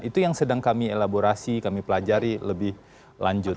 itu yang sedang kami elaborasi kami pelajari lebih lanjut